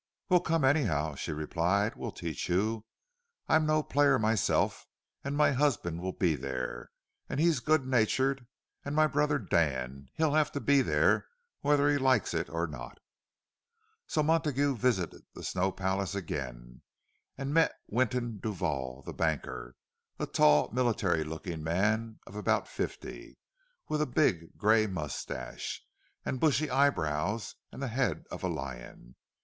"Well, come anyhow," she replied. "We'll teach you. I'm no player myself, and my husband will be there, and he's good natured; and my brother Dan—he'll have to be whether he likes it or not." So Montague visited the Snow Palace again, and met Winton Duval, the banker,—a tall, military looking man of about fifty, with a big grey moustache, and bushy eyebrows, and the head of a lion.